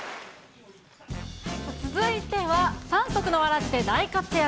続いては、三足のわらじで大活躍。